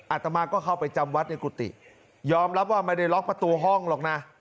อาตมาก็เข้าไปจำวัดในกุฏิยอมรับว่าไม่ได้ล็อกประตูห้องหรอกนะ